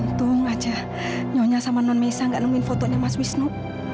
hitung aja nyonya sama non mesa gak nemuin fotonya mas wisnu